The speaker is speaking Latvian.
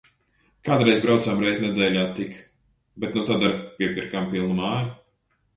Kādreiz braucām reizi nedēļā tik. Bet nu tad ar’ piepirkām pilnu māju.